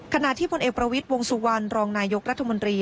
ขณะที่พลเอกประวิทย์วงสุวรรณรองนายกรัฐมนตรี